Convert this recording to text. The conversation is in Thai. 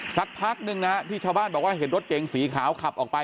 สักพักนึงนะฮะที่ชาวบ้านบอกว่าเห็นรถเก๋งสีขาวขับออกไป